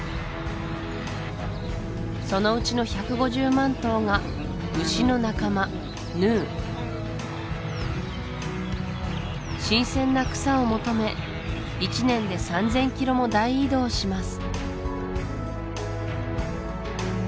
そのうちの１５０万頭が新鮮な草を求め１年で３０００ｋｍも大移動します